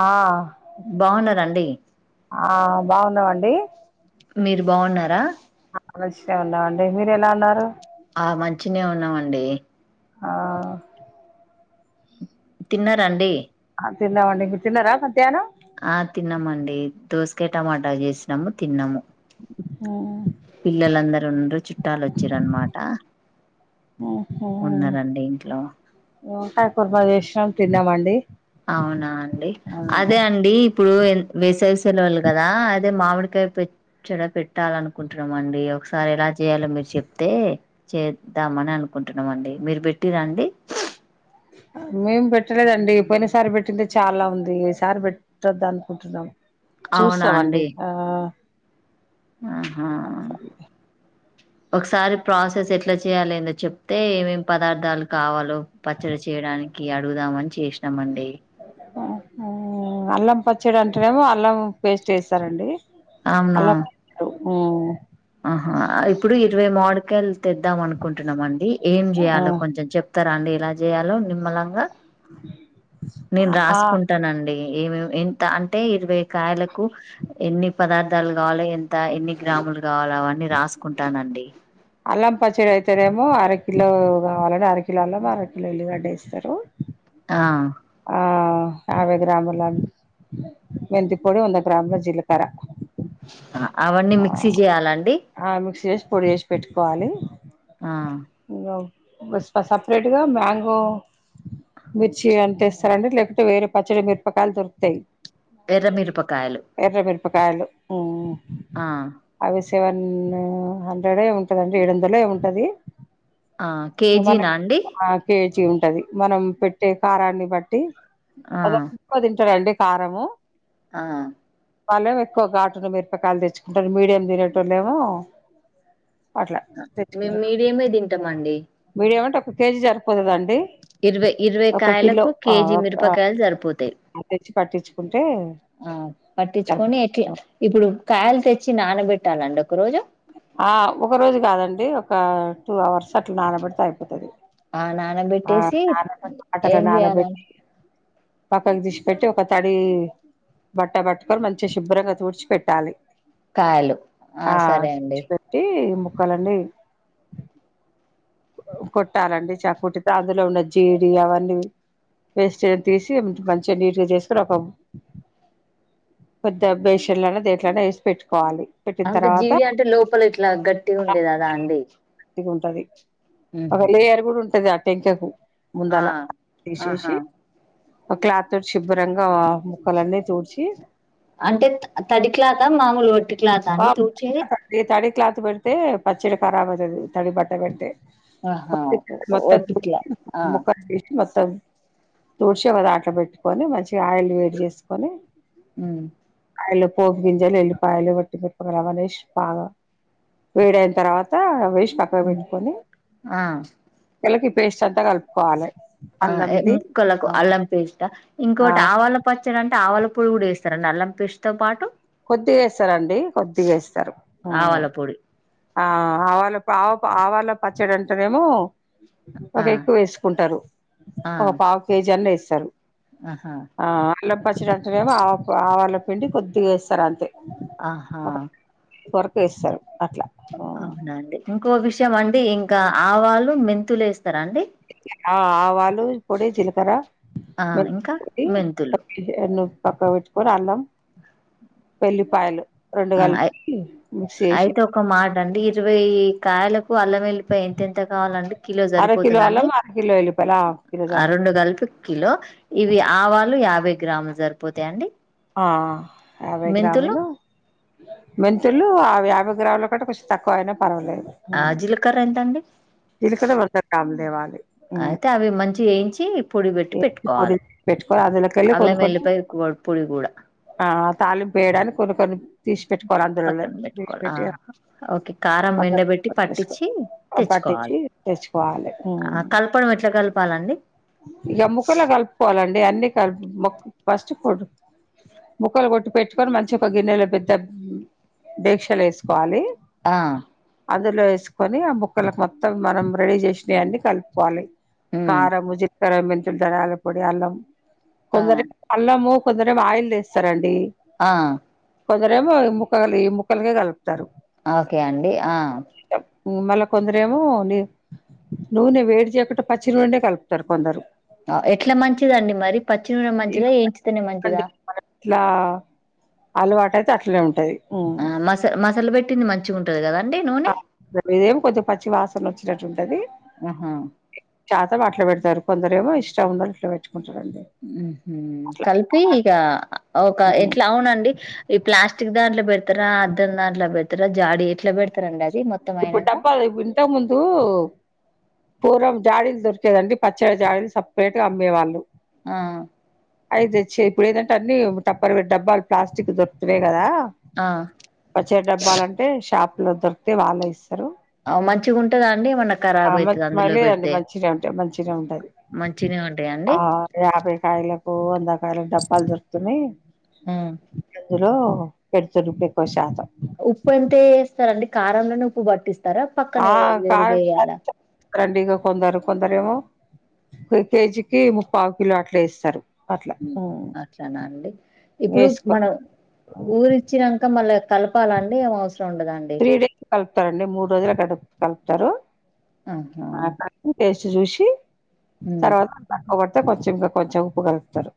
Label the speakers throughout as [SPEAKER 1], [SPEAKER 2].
[SPEAKER 1] ఆ
[SPEAKER 2] బాగున్నార అండి
[SPEAKER 1] ఆ బాగున్నావండి
[SPEAKER 2] మీరు బాగున్నారా
[SPEAKER 1] మంచిగా ఉన్నావండి మీరు ఎలా ఉన్నారు.
[SPEAKER 2] ఆ మంచినే ఉన్నామండి
[SPEAKER 1] ఆ
[SPEAKER 2] తిన్నరఅండి
[SPEAKER 1] ఆ తిన్నామండి మీరు తిన్న రా
[SPEAKER 2] ఆ తిన్నామండి దోసె క్కె టమాటా చేసినాము తిన్నాము.
[SPEAKER 1] హ
[SPEAKER 2] పిల్లలందరు ఉండరు చుట్టాలు వచ్చిరనమాట. ఉన్నారండి ఇంట్లో
[SPEAKER 1] వంకాయ్ కుర్మా చేసినాం తిన్నామండి
[SPEAKER 2] అవునా అండి
[SPEAKER 1] ఆ
[SPEAKER 2] అదే అండి ఇప్పుడు ఎం వేసేస్ సెలవులు కదా అదే మామిడికాయ పచ్చడ పెట్టాల అనుకుంటున్నామండి ఒకసారి ఎలా చేయాలో మీరు చెప్తే చేద్దామని అనుకుంటున్నామండి మీరు పెంటిండ్ర అండి.
[SPEAKER 1] మేం పెట్టలేదండి పోయిన సారి పెట్టింది చాలా ఉంది ఈ సారి పెట్టద్ద అనుకుంటున్నాం.
[SPEAKER 2] అవునా
[SPEAKER 1] చూస్తామండి
[SPEAKER 2] అండి
[SPEAKER 1] ఆ
[SPEAKER 2] ఆహా ఒకసారి ప్రాసెస్ ఎట్లా చేయాలేందో చెప్తే ఏమేమి పదార్థాలు కావాలో పచ్చడి చేయడానికి అడుగుదామని చేేసినామండి
[SPEAKER 1] చెడు అంటునేమో అళ్లము వేస్ట్ చేస్తారండి
[SPEAKER 2] అవునా
[SPEAKER 1] అలా ఆ
[SPEAKER 2] ఆహా ఇప్పుడు ఇరవై మామిడికాయలు తెద్దాం అనుకుంటున్నామండి ఏం
[SPEAKER 1] ఆ
[SPEAKER 2] చేయాలో కొంచెం చెప్తారా అండి ఎలా చేయాలో నిమ్మలంగా నేను
[SPEAKER 1] ఆ
[SPEAKER 2] రాసుకుంటానండి ఏమేమి ఎంత అంటే ఇరవై కాయలకు ఎన్ని పదార్థాలు కావాలి ఎంత ఎన్ని గ్రాములు కావాల అవన్నీ రాసుకుంటానండి.
[SPEAKER 1] అల్లం పచ్చిడి ఐతేనేమో అరకిిలో కావాలని అరకిలో అల్లం అరకిలో ఇల్లుగడ్డ వేస్తారు.
[SPEAKER 2] ఆ
[SPEAKER 1] ఆ యావై గ్రామ్లా మెంతి పొడి ఒంద గ్రామ్ల జీలకార
[SPEAKER 2] అవన్నీ మిక్సీ చేయాలండి
[SPEAKER 1] ఆ మిక్స్ చేసి పొడి చేసి పెట్టుకోవాలి
[SPEAKER 2] ఆ
[SPEAKER 1] సపరేట్ గా మ్యాంగో మిర్చి తేస్తారండి లేకపోతే వేరే పచ్చడి మిరపకాయలు దొరుకుతాయి
[SPEAKER 2] ఎర్రమిరపకాయలు
[SPEAKER 1] ఎర్ర మిరపకాయలు
[SPEAKER 2] ఆ
[SPEAKER 1] అవి సెవెన్ హండ్రెడ్ ఉంటదండి ఏడు వందలు ఏముంటది
[SPEAKER 2] ఆ కేజీనా అండి
[SPEAKER 1] మంచి గా ఉంటది మనం పెట్టే కారాన్ని బట్టి
[SPEAKER 2] ఆ
[SPEAKER 1] అదిఅంత తింటారు అండి కారము
[SPEAKER 2] ఆ
[SPEAKER 1] వాళ్ళం ఎక్కువ ఘటును మిరపకాయలు తెచ్చుకుంటారు మీడియం తినట్ లేవ
[SPEAKER 2] మేము మీడియమే తింటామ్ అండి
[SPEAKER 1] మీడియం అంటే ఒక కేజీ సరిపోతుదండి
[SPEAKER 2] ఇరవై ఇరవై కాయలకు కేజీ
[SPEAKER 1] ఆ
[SPEAKER 2] మిరపకాయలు సరిపోతాయి
[SPEAKER 1] తెచ్చి పట్టించుకుంటే
[SPEAKER 2] ఆ పట్టించుకొని
[SPEAKER 1] సరిపోతది
[SPEAKER 2] ఎట్లా ఇప్పుడు కాయలు తెచ్చి నానబెట్టాలండి ఒక రోజు
[SPEAKER 1] ఆ ఒక రోజు కాదండి ఒక టూ అవర్స్ అట్లా నానబెడితే అయిపోతది
[SPEAKER 2] ఆ
[SPEAKER 1] ఆ
[SPEAKER 2] నాన్నబెట్టేసి ఏం చేయాలండి
[SPEAKER 1] పక్కకి దిసి పెట్టి ఒక తడి బట్ట పట్టుకొని మంచిగా శుభ్రంగా తుడిచి పెట్టాలి
[SPEAKER 2] కాయలు ఆ సరే అండి
[SPEAKER 1] కాలండి కొట్టాలండి చాక్ తో అందులో ఉన్న జీడి అవన్నీ వేస్ట్ తీసి మంచిగా నీట్గా చేసుకొని ఒక పెద్ద బేషన్లనా దేట్లనే వేసి పెట్టుకోవాలి పెట్టిన
[SPEAKER 2] అంటే
[SPEAKER 1] తర్వాత
[SPEAKER 2] జీడి అంటే లోపల ఇట్లా గట్టిగా ఉండేది కదా అండి
[SPEAKER 1] సది ఒక
[SPEAKER 2] ఉహు.
[SPEAKER 1] లేయర్ కూడా ఉంటద తెంచకు
[SPEAKER 2] ఆ
[SPEAKER 1] ముందలా
[SPEAKER 2] ఆహా
[SPEAKER 1] తీసేసి ఒక క్లాత్ తోటి శుభ్రంగా ముక్కలన్నీ తుడ్చి
[SPEAKER 2] అంటే తడి క్లాత మామూలు ఒట్టి క్లాత తూర్చేది
[SPEAKER 1] తడి తడి క్లాత్ పెడితే పచ్చడి కరాబ్ అవుతుంది తడి బట్ట పెడితే
[SPEAKER 2] ఆహా
[SPEAKER 1] మొత్తం
[SPEAKER 2] ఒట్టి ఇట్లాఆ
[SPEAKER 1] తుడిచి ఒక దాంట్లోపెట్టుకొని మంచి ఆయిల్ వేడి చేసుకొని
[SPEAKER 2] ఉమ్
[SPEAKER 1] ఆయిల్ పోపు గింజలు ఎల్లిపాయలు ఆవాలేసి బాగా వేడ అయిన తర్వాత వేసి చక్క గా
[SPEAKER 2] హ్మ్.
[SPEAKER 1] పెట్టుకని
[SPEAKER 2] ఆ
[SPEAKER 1] [unintelligible] పేస్ట్ అంతా కలుపుకోవాలి
[SPEAKER 2] ఆ
[SPEAKER 1] అల్లంది
[SPEAKER 2] ముక్కలకు అల్లం పేస్ట
[SPEAKER 1] ఆ
[SPEAKER 2] ఇంకోకటి ఆవాల పచ్చడి అంటే ఆవళ పుడిగు కూడా వేస్తారుా అల్లం పేస్ట్ తో పాటు
[SPEAKER 1] కొద్దిగా వేస్తారండి కొద్దిగా వేస్తారు
[SPEAKER 2] ఆవాల పొడి
[SPEAKER 1] ఆ ఆవాళ్ళ ఆ ఆవాళ్ళ పచ్చడి అంటనేేమో ఒక
[SPEAKER 2] ఆ
[SPEAKER 1] ఎక్కువ వేసుకుంటారు
[SPEAKER 2] ఆ
[SPEAKER 1] ఒక పావు కేజీ అన్న వేస్త స్తారు
[SPEAKER 2] ఆహా
[SPEAKER 1] అల్లం పచ్చిడి అంటనేమో ఆ ఆవల పిండి కొద్దిగా వేస్తారు అంతే
[SPEAKER 2] ఆహా
[SPEAKER 1] కొరకు వేస్తారు అట్లా
[SPEAKER 2] అవునండి ఇంకో విషయం అండి ఇంకా ఆవాళ్ళు మెంతులే వేస్త
[SPEAKER 1] ఆవాళ్ళ పొడి జిల్లా కర
[SPEAKER 2] ఆ ఇంకా మెంతులు
[SPEAKER 1] పక్క పెట్టుకొని అల్లం వెళ్ల్లిపాయలు
[SPEAKER 2] ఆ అయితే ఒక మాట అండి ఇరవై కాయలు అల్ల వెల్లిపాయా ఎంత ఎంత కావాలంటే కిలో
[SPEAKER 1] అరకిలో
[SPEAKER 2] సరిపోతుందిండి
[SPEAKER 1] అల్లం అరకిలో ఎల్లిపాయలు హాఫ్ కిలో సరి
[SPEAKER 2] రెండు కలుపి కిలో ఇవి ఆవాళ యాభై ై గ్రాములు సరిపోతాయండి
[SPEAKER 1] ఆ యాభై
[SPEAKER 2] మెంతులు
[SPEAKER 1] గ్రాములు మెంతులుై యాభై గ్రాముల కంటే కొంచెం తక్కువయినా పర్వాలేదు
[SPEAKER 2] ఆ జీలకర్ర ఎంతండి
[SPEAKER 1] [unintelligible]
[SPEAKER 2] చేయించి పొడి పెట్టి
[SPEAKER 1] వేసి పొడి
[SPEAKER 2] పెట్టుకోవాలి
[SPEAKER 1] పెట్టుకొని అందులోకెళ్ళి కొన్ని
[SPEAKER 2] అలాగే
[SPEAKER 1] కొన్ని
[SPEAKER 2] వెల్లిపయ పొడి కూడా
[SPEAKER 1] తాళింపేయడానికి కొన్ని కొన్ని తీసి పెట్టుకోవాలి అందులోనే
[SPEAKER 2] పక్కన
[SPEAKER 1] తీసి
[SPEAKER 2] పెట్టుకోవాలి
[SPEAKER 1] పెట్టి
[SPEAKER 2] ఓకే కారం మెండబెట్టి పట్టించి
[SPEAKER 1] పక్కన పట్టించి
[SPEAKER 2] తెచ్చుకోవాలి
[SPEAKER 1] తెచ్చుకోవాలి
[SPEAKER 2] కలపడం ఎట్లా కలపాలండి
[SPEAKER 1] ఎముకల కలుపుకోవాలండి అన్ని [unintelligible] ఫస్ట్ ఫుడ్ ముక్కలు కొట్టి పెట్టుకొని మంచిగా ఒక గిన్నెలో పెద్ద డేక్షాలో ఏసుకోవాలి
[SPEAKER 2] ఆ
[SPEAKER 1] అందులో ఏసుకొని ఆ ముక్కలకు మొత్తం మనం రెడీ చేసినయన్నీ కలుపుకోవాలి
[SPEAKER 2] ఉమ్
[SPEAKER 1] కారము జి కారం మెంతులు ధనియాల పొడి అల్లం
[SPEAKER 2] ఆ
[SPEAKER 1] కొందరి అల్లము కొందరవ్వ ఆయిల్ తీస్తారండి
[SPEAKER 2] ఆ
[SPEAKER 1] కొందరేమో ఈ ముక్కలు ఈ ముక్కలుకే కలుపుతారు
[SPEAKER 2] ఓకే అండి ఆ
[SPEAKER 1] ఊ మళ్ళ కొందరేమో డి నూనె వేడి చేయకుంటా పచ్చి నూనెనే కలుపుతారు కొందరు
[SPEAKER 2] ఆ ఎట్లా మంచిదండి మరి పచ్చి నూనె మంచిదా ఏంచితేనే మంచిదా
[SPEAKER 1] ట్లా అలవాటు అయితే అట్లనే ఉంటది హ్మ్.
[SPEAKER 2] ఆ మస్ మసాలా పెట్ ట్టింది మంచిగుంటది కదా
[SPEAKER 1] [inaudible] ఏం కొంచెం పచ్చి వాస్ సన వొచ్చినట్టుంటది
[SPEAKER 2] ఆహా
[SPEAKER 1] చాసేపు అట్ల పెడతారు కొందరేమో ఇష్టం ఉన్నట్లు వెట్టు
[SPEAKER 2] మ్మ్ హు కలిపి ఇక ఒక
[SPEAKER 1] హ్మ్.
[SPEAKER 2] ఎట్లా, అవునండి ఈ ప్లాస్టిక్ దాంట్లో పెడతారా అద్దం దాంట్లో పెడ్ తరా జాడీ ఎట్లా పెడ్
[SPEAKER 1] ఇప్పుడు డబ్బాల ఇప్పు ఇంతకు ముందు పూరం జాడీలు దొరికేదండి పచ్చడి జాడీలు సప్రేట్ గా అమ్మేవాళ్ళు
[SPEAKER 2] ఆ
[SPEAKER 1] అయితేచ్చి ఇప్పుడు ఏదంటే అన్నీ టప్పర్ డబ్బాలు ప్లాస్టిక్ వి దొరుకుతున్నాయి కదా పచ్చడి డబ్బాలంటే షాప్ లో దొరుక్ తే వాళ్ళే ఇస్
[SPEAKER 2] ఆ మంచిగా ఉంటదా అండి ఏమన్నా
[SPEAKER 1] ఆ
[SPEAKER 2] ఖరాబ్
[SPEAKER 1] మ
[SPEAKER 2] అయితది
[SPEAKER 1] మ
[SPEAKER 2] అందులో
[SPEAKER 1] లేదండి
[SPEAKER 2] పెడితే
[SPEAKER 1] మంచినే ఉంటాయి మంచినే ఉంటది
[SPEAKER 2] మంచిగనే ఉంటాయండి.
[SPEAKER 1] ఓ వందకాయల డబ్బాలు దొరుకుతున్నాయి
[SPEAKER 2] మ్మ్
[SPEAKER 1] అందులో పెడుతున్రు ఉప్పు ఎక్కువ శాతం
[SPEAKER 2] ఉప్పు అంత వేస్తారు అండి కారంలోనే ఉప్పు పట్టిస్
[SPEAKER 1] ఆ [inaudible] అండి ఇగ కొందరు కొందరేమో కె కే జీ కి ముప్పావు కిలో అట్లా ఏస్తారు
[SPEAKER 2] అట్లనే అండి ఇప్పుడు
[SPEAKER 1] వేసుకొని
[SPEAKER 2] మనం ఊరిచ్చినాంక మళ్ళా కలపాలండి ఏం అవసరం ఉండదండి
[SPEAKER 1] త్రీ డేస్ కలుపుతారండి మూడు రోజులుకు అట కలుపుతారు
[SPEAKER 2] ఆహా
[SPEAKER 1] ష్ జూషి
[SPEAKER 2] ఉమ్
[SPEAKER 1] తర్వాత [unintelligible] తే కొంచెం కా కొంచెం ఉప్పు కలుపుతారు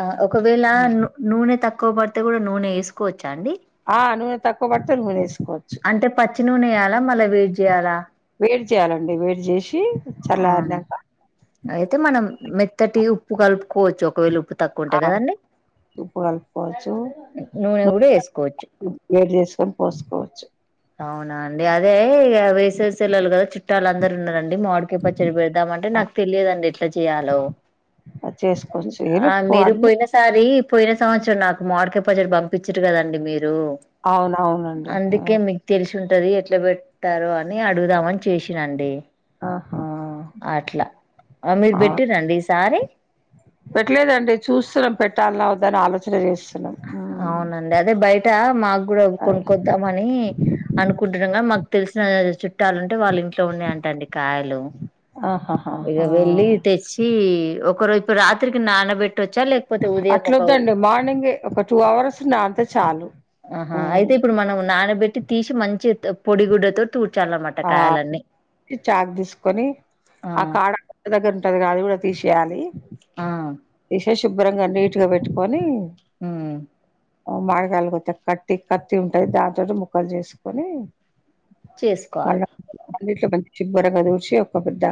[SPEAKER 2] ఆ ఒకవేళ నూ నూనె తక్కువ పడు తే కూడా నూనె ఏసుకో చ్చా అండి
[SPEAKER 1] ఆ నూనె తక్కువ పడితే నూనె వేసుకోవచ్చు
[SPEAKER 2] అంటే పచ్చి నూనె ఎయ్యాలా మళ్ళ వేడి చేయాలా
[SPEAKER 1] వేడి చేయాలండి వేడి చేషి
[SPEAKER 2] అవును అయితే మనం మెత్తటి ఉప్పు కలుపుకోవచ్చు ఒకవేళ ఉప్పు తక్కువ ఉంటే
[SPEAKER 1] ఆ
[SPEAKER 2] కదండి
[SPEAKER 1] ఉప్పు కలుపుకోవచ్చు
[SPEAKER 2] నూనె కూడా వేసుకోవచ్చు
[SPEAKER 1] [inaudible] వేడి చేసుకోని పోసుకోవచ్చు
[SPEAKER 2] అవునా అండి అదే ఇగ వేసేసి ఎళ్ళాల కదా చుట్టాలు అందరూ ఉన్నారన్ టి మావిడికాయ పచ్చడి పెడదాంటే నాకు తెలియదండి ఎట్లా చెయ్యాలో
[SPEAKER 1] చేసుకోవచ్చు
[SPEAKER 2] ఆ
[SPEAKER 1] ఎలుపు
[SPEAKER 2] మీరు
[SPEAKER 1] అన్ని
[SPEAKER 2] పోయిన సారి పోయిన సంవచ్చరం నాకు మావిడికాయ పచ్చడి పంపిచ్చిర్రు కదండి మీ
[SPEAKER 1] అవును అవును అండి ఊ
[SPEAKER 2] లిషుంటది ఎట్లా పెట్తారు అని అడుగుదామని చేషినండి
[SPEAKER 1] ఆహా
[SPEAKER 2] అట్లా ఆ మీరు
[SPEAKER 1] అవును.
[SPEAKER 2] పెట్టిర్రా అండి ఈసారి
[SPEAKER 1] పెట్టలేదండి చూస్తున్నాం పెట్టాలనా వద్దని ఆలోచన చేసు
[SPEAKER 2] అవునండి అదే బయ ట మా క్కూడా కొనుక్కొద్దామని అనుకుంటున్నంగా మాకు తెలిసిన చుట్టాలు ఉంటే వాళ్ళు ఇంట్లో ఉన్నాయి అంటండి కాయలు ఇగ వెళ్ళి
[SPEAKER 1] ఆహాహా
[SPEAKER 2] తెచ్చి ఒ కొరొవ్ ఇప్పుడు రాత్రికి నానబెట్
[SPEAKER 1] అట్లు వద్దండి మార్నింగే ఒక టూ అవర్స్ నానితే చాలు
[SPEAKER 2] ఆహా అయితే ఇప్పుడు మనం నానబెట్టి తీశి మంచి త పొడి గుడ్డతో
[SPEAKER 1] ఆ చాక్ తీసుకొని ఆ కాడ ద దగ్గర ఉంటదిగ అది కూడా తీశ్ యాలి
[SPEAKER 2] ఆ
[SPEAKER 1] ఏషేష్ శుభ్రంగా నీట్గా పెట్టుకొని
[SPEAKER 2] హ్మ్
[SPEAKER 1] మ్మ్ మామిడి కాయలు కోత కట్టి కత్తి ఉంటుది దానితోటి ముక్కలు చేసుకొని మళ్ళ
[SPEAKER 2] చేసుకోవాలి
[SPEAKER 1] అన్నింట్లో చివరగా తూసి ఒక గుడ్డ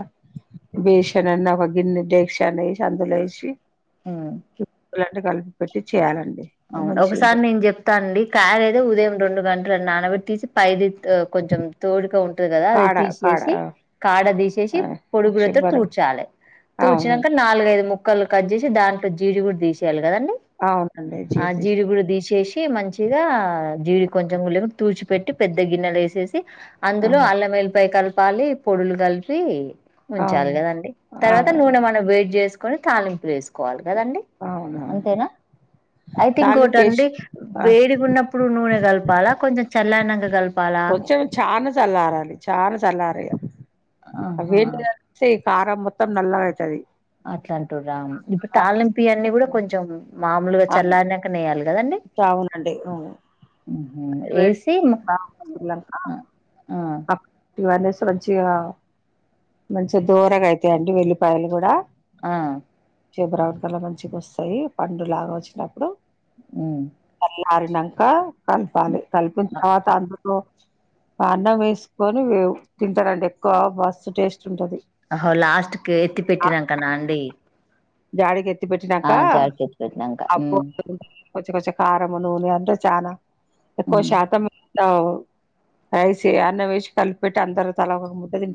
[SPEAKER 1] బేషన్ అన్న ఒక గిన్నె దడేక్ష అని వేసి అందులో వేసి
[SPEAKER 2] అ
[SPEAKER 1] కలిపి పెట్టి చేయాలండి
[SPEAKER 2] అవును ఒకసారి
[SPEAKER 1] మంచిగుంటది.
[SPEAKER 2] నేను చెప్తానండి కాయలైతే ఉదయం రెండు గంటలు లు నానబెట్టేసి పైది కొంచెం తోడుక ఉంటుది కదా అది
[SPEAKER 1] కాడ కాడ
[SPEAKER 2] తీసేసి కాడ తీసేసి
[SPEAKER 1] ఆ
[SPEAKER 2] పొడిగుడతో
[SPEAKER 1] శుభ్రంగా
[SPEAKER 2] తుడ్చాలి తూడ్చినాక
[SPEAKER 1] అవునండి
[SPEAKER 2] నాలుగైదు ముక్క ముక్కలు కట్ చేసి దాంట్లో జీడి కూడా తీసేయాలి కదండి
[SPEAKER 1] అవును
[SPEAKER 2] ఆ జీడిగుడ తీసేసి మంచి చిగా జీడి కొంచెం [unintelligible] తూచిపట్టి పెద్ద గిన్నెలో వేసి చేసి అందులో
[SPEAKER 1] అవును.
[SPEAKER 2] అల్లం వెల్లిపాయి కలప్ పాలి పొడులు కలిపి ఉంచాలి
[SPEAKER 1] అవును
[SPEAKER 2] కదండి తర్వాత
[SPEAKER 1] అవునండి
[SPEAKER 2] నూనె మనం వేడి జేస్ కుని తాలింపులేస్ కోవాలి కదండి
[SPEAKER 1] అవునవును
[SPEAKER 2] అంతేనా తే ఇంకోటండి
[SPEAKER 1] తాలింపేసి ఆ
[SPEAKER 2] వేడిగున్నప్పుడు నూనె కలపాలా కొంచెం చల్లైనకా కలప్
[SPEAKER 1] కొంచెం చానా స్ చల్లారాలి చానా చల్లారేయాలి
[SPEAKER 2] ఆహా
[SPEAKER 1] అహేంట సీ కారం మొత్తం నల్లగైతది
[SPEAKER 2] అట్లా అంటూ రా ఇప్పుడు తాలింపు ఈ అన్ని కూడా కొంచెం మాములుగా చల్లారినకనే ఎయ్యాలి
[SPEAKER 1] చావుల కంటే అవునా
[SPEAKER 2] ఏసీ
[SPEAKER 1] అప్ వాలేస్ మంచిగా మంచిగా దోరగా అయితాయండి వెల్లిపాయలు కూడా
[SPEAKER 2] ఆ
[SPEAKER 1] చేమ్ బ్రౌన్ కలర్ మంచిగా వస్తాయి పండు లాగా వచ్చినప్పుడు
[SPEAKER 2] మ్మ్
[SPEAKER 1] ఆరినంకా కలపాలి కలిపిన తర్వాత అందులో పాన్ లో వేస్ సుకొని వే తింటారండి ఎక్కువ మస్త్ టేస్ట్ ఉంటది
[SPEAKER 2] అహో లాస్ట్కి ఎత్తి పెట్టినాక నా అండి
[SPEAKER 1] గాలికి ఎత్తి
[SPEAKER 2] ఆ
[SPEAKER 1] పెట్నాకా
[SPEAKER 2] జాడికి ఎత్తి పెట్టినంక
[SPEAKER 1] అప్
[SPEAKER 2] ఉమ్
[SPEAKER 1] కొంచెం కొంచెం కారం, నూనె అంటే చానా ఎక్కువ
[SPEAKER 2] ఉమ్
[SPEAKER 1] శాతం కలిసి అన్నం వేసి కలిపిపెట్టీ అందరూ తలా ఓ ముట్టది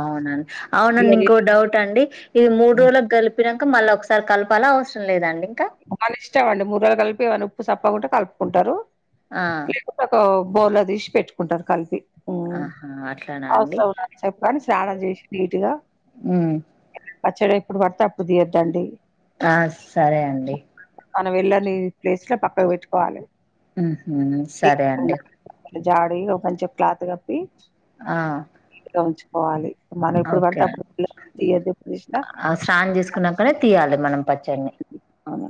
[SPEAKER 2] అవునండి అవునండి ఇంకో డౌట్ అండి ఇది మూడో రోజు కలిపిన మళ్ళీ ఒకసారి కలపాల అవసరం లేదండి ఇంకా
[SPEAKER 1] మనిష్టం అండి ముద్దలు కలిపి ఎమన్నా ఉప్పు సప్పు ప్పకుంటే కలుపుకుంటారు
[SPEAKER 2] ఆ
[SPEAKER 1] క క క బౌల్లోదీసి పెట్టుకుంటారు కలిపి
[SPEAKER 2] ఆహా అట్లానా అండి
[SPEAKER 1] అవసరం ఉన్నప్పుడు చెప్పండి స్నానం చేసి నీటిగా
[SPEAKER 2] హ్మ్
[SPEAKER 1] పచ్చడి ఎప్పుడు పడతే అప్పుడు తీయొద్దండి
[SPEAKER 2] ఆ సరే అండి
[SPEAKER 1] మనం వెళ్ళని ప్లేస్ లో పక్కన పెట్టుకోవాలి
[SPEAKER 2] మ్మ్ హ్మ్ సరే అండి
[SPEAKER 1] జాడికి ఒకించు క్లాత్ కప్పి
[SPEAKER 2] ఆ
[SPEAKER 1] ఉంచుకోవాలి మనం ఇప్పుడు పడితే
[SPEAKER 2] ఓకే
[SPEAKER 1] అప్పుడు తీయద్దు ఎప్పుడు తీసినా
[SPEAKER 2] స్నానం చేసుకున్నప్పుడే తీయాలి మనం పచ్చడి
[SPEAKER 1] అవును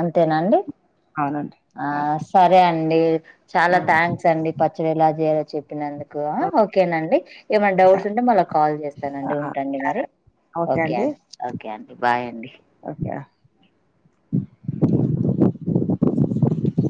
[SPEAKER 2] అంతేనండి ఆ సరే అండి చాలా
[SPEAKER 1] ఆ.
[SPEAKER 2] థ్యాంక్స్ అండి పచ్చడి ఇలా చేయ చెినందుకు ఓకేనండి ఏమైనా
[SPEAKER 1] ఓకే
[SPEAKER 2] డౌట్స్ ఉంటే మళ్ళ కాల్ చేస్తానండి
[SPEAKER 1] ఆ.
[SPEAKER 2] ఉంటండి మరి
[SPEAKER 1] సరే
[SPEAKER 2] ఓకే అండి ఓకే అండి బాయ్ అండి
[SPEAKER 1] [inaudible]